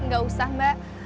gak usah mbak